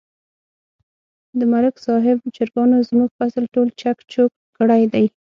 د ملک صاحب چرگانو زموږ فصل ټول چک چوک کړی دی.